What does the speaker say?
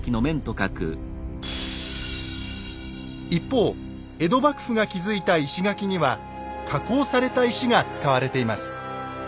一方江戸幕府が築いた石垣には加工された石が使われています。